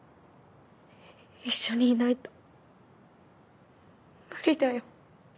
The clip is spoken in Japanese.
一緒にいないと無理だよ。